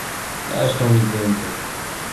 Zresztą nic więcej.